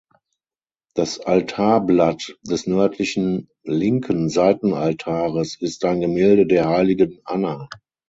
Das Altarblatt des nördlichen (linken) Seitenaltares ist ein Gemälde der heiligen Anna.